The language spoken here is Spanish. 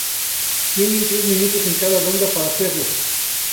Tienen tres minutos en cada ronda para hacerlo.